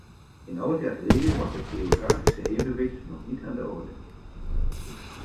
Een half jaar geleden was het geografische evenwicht nog niet aan de orde.